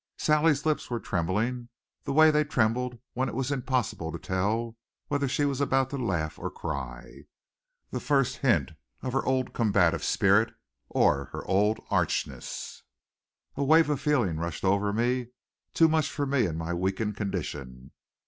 Sally's lips were trembling, the way they trembled when it was impossible to tell whether she was about to laugh or cry. The first hint of her old combative spirit or her old archness! A wave of feeling rushed over me, too much for me in my weakened condition.